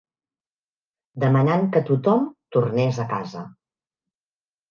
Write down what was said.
Demanant que tothom tornés a casa